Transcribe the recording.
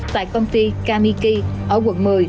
tại công ty kamiki ở quận một mươi